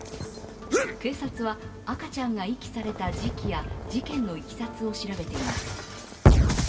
警察は赤ちゃんが遺棄された時期や事件のいきさつを調べています。